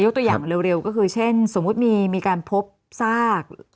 ตัวอย่างเร็วก็คือเช่นสมมุติมีการพบซาก